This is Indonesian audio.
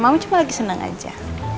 mama cuma lagi seneng aja